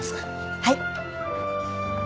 はい！